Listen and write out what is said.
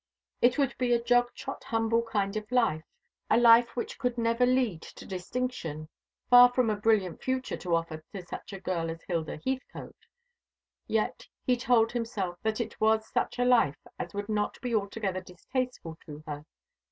It would be a jog trot humble kind of life, a life which could never lead to distinction, far from a brilliant future to offer to such a girl as Hilda Heathcote. Yet he told himself that it was such a life as would not be altogether distasteful to her.